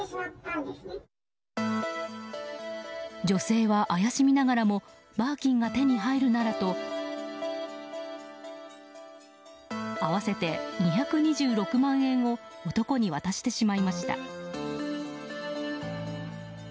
女性は怪しみながらもバーキンが手に入るならと合わせて２２６万円を男に渡してしまいました。